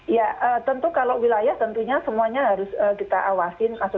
ya tentu kalau wilayah tentunya semuanya harus kita awasin